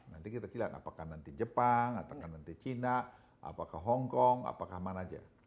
nanti kita lihat apakah nanti jepang apakah nanti cina apakah hongkong apakah mana aja